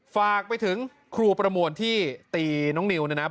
ฝากไปถึงครูประมวลที่ตีน้องนิวนะครับ